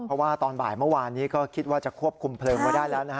เพราะว่าตอนบ่ายเมื่อวานนี้ก็คิดว่าจะควบคุมเพลิงไว้ได้แล้วนะฮะ